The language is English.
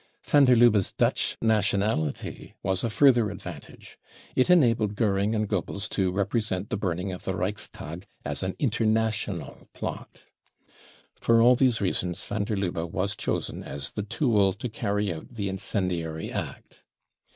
Van der Lubbe's Dutch nationality was a further advant age. # It enabled Goering and Goebbels to represent the burning of the Reichstag as an international plot. For all these reasons van der Lubbe was chosen as the tool to cany out the incendiary act.